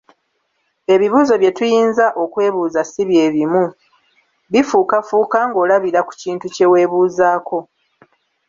Ebibuuzo bye tuyinza okwebuuza si bye bimu, bifuukafuuka ng'olabira ku kintu kye weebuuzako.